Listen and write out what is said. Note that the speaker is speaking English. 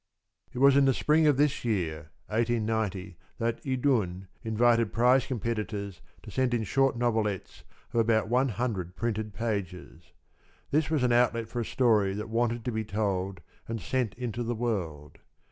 It was in the spring of this year, 1890, that Idun invited prize competitors to send in short novelettes of about one hundred printed pages. This was an outlet for a story that wanted to be told and sent into the world.